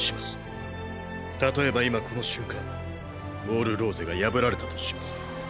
例えば今この瞬間ウォール・ローゼが破られたとします。